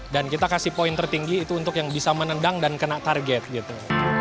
dan kita kasih poin tertinggi itu untuk yang bisa menendang dan kena target gitu